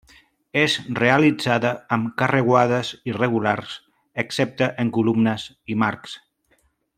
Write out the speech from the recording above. És realitzada amb carreuades irregulars excepte en columnes i marcs.